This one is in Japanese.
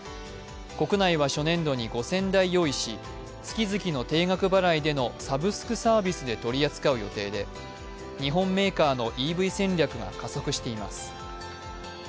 国内は初年度に５０００台用意し月々の定額払いでのサブスクサービスで取り扱う予定で日本メーカーのＥＶ戦略が加速しています。